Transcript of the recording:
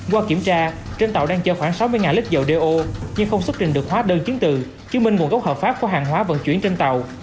qua kiểm tra trên tàu đang chở khoảng sáu mươi lít dầu đeo nhưng không xuất trình được hóa đơn chứng từ chứng minh nguồn gốc hợp pháp của hàng hóa vận chuyển trên tàu